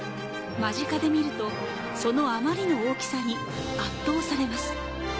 間近で見ると、そのあまりの大きさに圧倒されます。